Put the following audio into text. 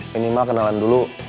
minimal kenalan dulu